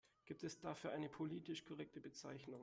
Gibt es dafür eine politisch korrekte Bezeichnung?